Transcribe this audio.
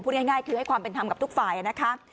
ง่ายคือให้ความเป็นธรรมกับทุกฝ่ายนะคะ